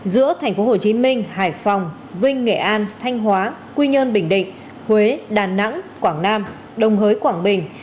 giữa tp hcm hải phòng vinh nghệ an thanh hóa quy nhơn bình định huế đà nẵng quảng nam đồng hới quảng bình